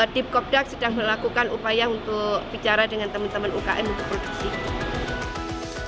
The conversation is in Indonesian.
dip kopdak sedang melakukan upaya untuk bicara dengan teman teman ukm untuk produksi